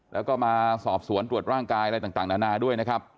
แล้วก็มาสอบสวนตรวจร่างกายอะไรต่างนานาด้วยนะครับ